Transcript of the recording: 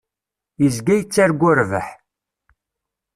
Yezga yettargu rrbeḥ.